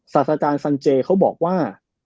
สัตว์อาจารย์สันเจเขาบอกว่า